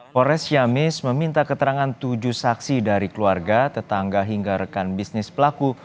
polres ciamis meminta keterangan tujuh saksi dari keluarga tetangga hingga rekan bisnis pelaku